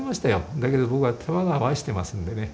だけど僕は多摩川愛してますんでね。